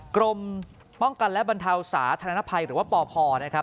กรมป้องกันและบรรเทาสาธารณภัยหรือว่าปพนะครับ